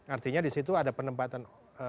artinya disitu ada penempatan